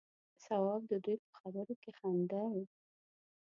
تواب د دوي په خبرو کې خندل.